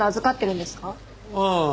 ああ。